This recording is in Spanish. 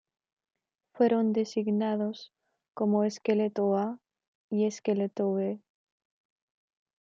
Fueron designados como "Esqueleto A" y "Esqueleto B".